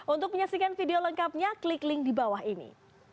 untuk menyaksikan video lengkapnya klik link di bawah ini